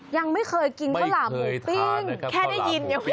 ยังไม่เคยกินข้าวหลามหมูปิ้งแค่ได้ยินยังไม่เคยได้ยินเลยค่ะ